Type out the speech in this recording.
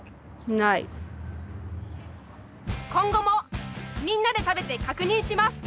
今後もみんなで食べて確認します。